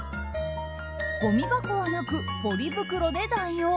ごみ箱はなく、ポリ袋で代用。